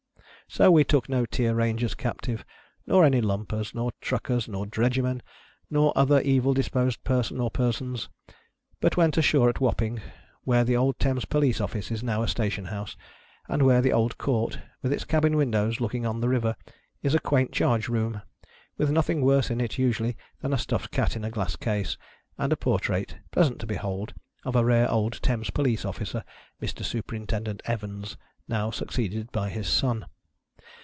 So we took no Tier rangers captive, nor any Lumpers, nor Truckers, nor Dredgermcn, nor other evil disposed person or persons ; but went ashore at Wapping where the old Thames Police office is now a atation hou.se, and where the old Court, with its cabin Charle. Dickens.] MY SHADOWY PASSION. 485 windows looking on the river, is a quaint charge room : with nothing worse in it usually than a stuffed cat in a glass case, and a portrait, pleasant to behold, of a rare old Thames Police officer, Mr. Superintendent Evans, now succeeded by his son.